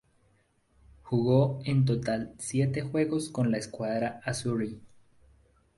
Jugó en total siete juegos con la Squadra Azzurri.